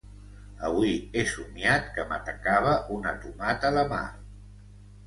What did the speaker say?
Avui he somiat que m'atacava una tomata de mar.